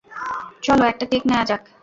চলো একটা টেক নেয়া যাক!